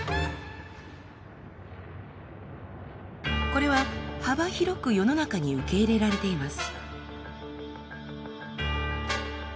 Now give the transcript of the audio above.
これは幅広く世の中に受け入れられています。